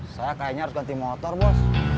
saya kayaknya harus ganti motor bos